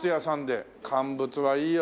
乾物はいいよ